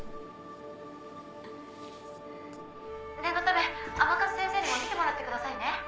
念のため甘春先生にも診てもらってくださいね。